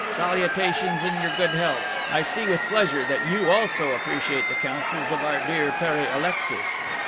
Salutations and your good health! I see with pleasure that you also appreciate the counsels of our dear Pere Alexis."